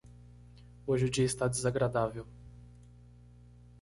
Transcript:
Hoje o dia está desagradável.